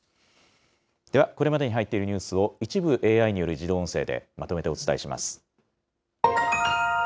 では、これまでに入っているニュースを一部ＡＩによる自動音声でまとめてお伝えします。